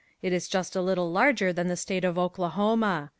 It is just a little larger than the state of Oklahoma.